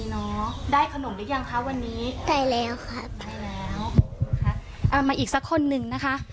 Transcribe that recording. มีเนอะได้ขนมได้ยังคะวันนี้ได้แล้วครับได้แล้วเอามาอีกสักคนหนึ่งนะคะ